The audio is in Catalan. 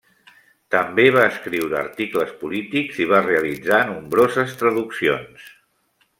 També va escriure articles polítics i va realitzar nombroses traduccions.